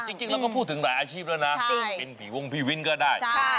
จริงเราก็พูดถึงหลายอาชีพแล้วนะเป็นผีวงผีวินก็ได้